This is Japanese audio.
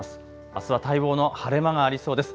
あすは待望の晴れ間がありそうです。